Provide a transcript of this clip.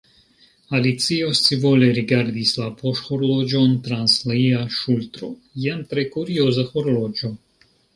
Alicio scivole rigardis la poŝhorloĝon trans lia ŝultro. "Jen tre kurioza horloĝo".